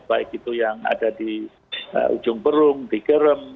baik itu yang ada di ujung perung di gerem